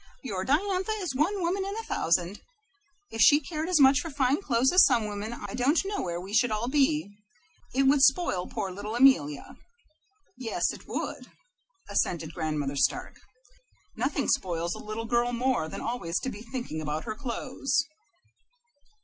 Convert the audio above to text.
"Your Diantha is one woman in a thousand. If she cared as much for fine clothes as some women, I don't know where we should all be. It would spoil poor little Amelia." "Yes, it would," assented Grandmother Stark. "Nothing spoils a little girl more than always to be thinking about her clothes."